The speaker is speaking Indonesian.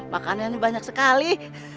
makanan ini banyak sekali